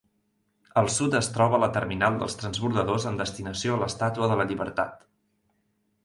Al sud es troba la terminal dels transbordadors amb destinació a l'estàtua de la Llibertat.